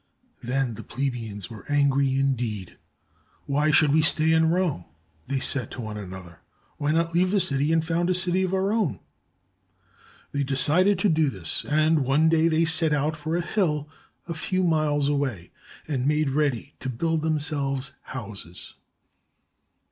Then the plebeians were angry indeed. "Why should we stay in Rome?" they said to one another. "Why not leave the city and found a city of our own? " They decided to do this, and one day they set out for a hill a few miles away and made ready to build themselves houses.